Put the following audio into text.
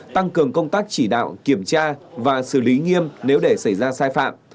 tăng cường công tác chỉ đạo kiểm tra và xử lý nghiêm nếu để xảy ra sai phạm